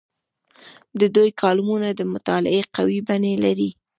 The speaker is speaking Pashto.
د دوی کالمونه د مطالعې قوي بڼې لري.